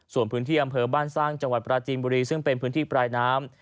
ส่วนพื้นที่อำเภอบ้านสร้างจังหวัดปราจีนบุรีซึ่งเป็นพื้นที่ปลายน้ำ